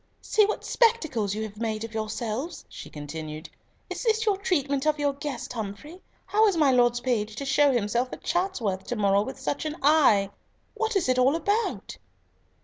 "See what spectacles you have made of yourselves!" she continued. "Is this your treatment of your guest, Humfrey? How is my Lord's page to show himself at Chatsworth to morrow with such an eye? What is it all about?"